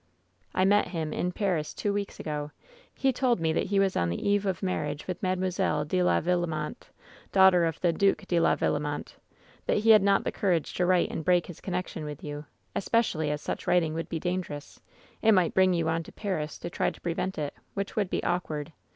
" 'I met him in Paris two weeks ago. He told me that he was on the eve of marriage with Mademoiselle de la Villemonte, daughter of the Due de la Villemonte ; that he had not the courage to write and break his connection with you, especially as such writing would be dangerous. It might bring you on to Paris to try to prevent it, which would be awkward.